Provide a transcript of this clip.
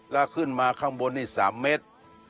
และขึ้นมาข้างบน๓เม็ด